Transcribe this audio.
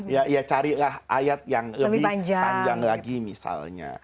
ya carilah ayat yang lebih panjang lagi misalnya